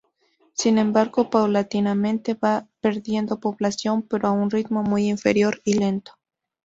Sin embargo, paulatinamente va perdiendo población, pero a un ritmo muy inferior y lento.